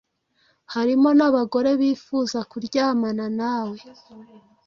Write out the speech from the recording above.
harimo n’abagore bifuza kuryamana nawe